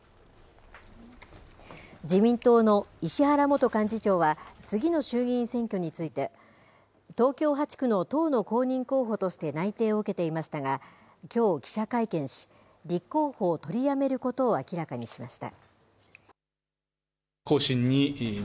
自民党の石原元幹事長は、次の衆議院選挙について、東京８区の党の公認候補として内定を受けていましたが、きょう、記者会見し、立候補を取りやめることを明らかにしました。